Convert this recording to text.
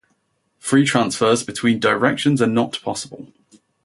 Free transfers between directions are not possible.